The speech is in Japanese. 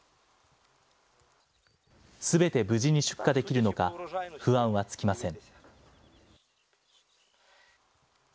すべて無事に出荷できるのか、不安は尽きません。